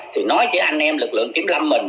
thì nói với anh em lực lượng kiểm lâm mình